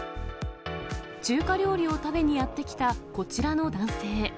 中華料理を食べにやって来たこちらの男性。